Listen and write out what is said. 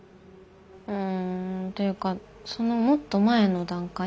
うんというかそのもっと前の段階。